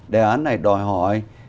đề án này đòi hỏi